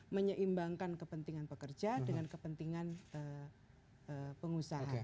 menyeimbangkan kepentingan pekerja dengan kepentingan pengusaha